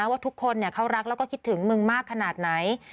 ว่าทุกคนเขารักแล้วก็คิดถึงมึงมากขนาดไหน